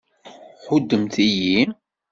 Ḥuddemt-iyi!